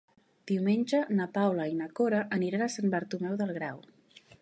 Diumenge na Paula i na Cora aniran a Sant Bartomeu del Grau.